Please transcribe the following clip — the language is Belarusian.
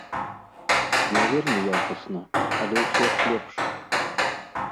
Не вельмі якасна, але ўсё ж лепш.